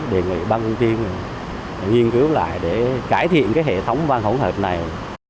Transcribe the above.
đề nghị ban công ty nghiên cứu lại để cải thiện cái hệ thống văn hỗn hợp này